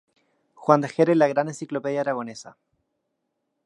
Juan de Ager en la Gran Enciclopedia Aragonesa